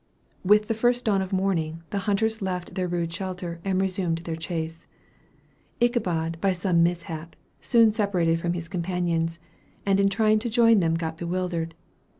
With the first dawn of morning, the hunters left their rude shelter and resumed their chase. Ichabod, by some mishap, soon separated from his companions, and in trying to join them got bewildered.